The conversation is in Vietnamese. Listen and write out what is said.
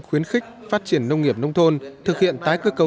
khuyến khích phát triển nông nghiệp nông thôn thực hiện tái cơ cấu